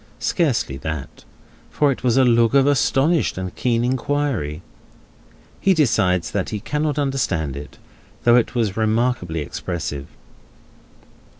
Scarcely that, for it was a look of astonished and keen inquiry. He decides that he cannot understand it, though it was remarkably expressive.